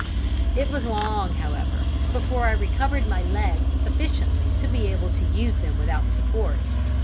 It was long, however, before I recovered my legs sufficiently to be able to use them without support.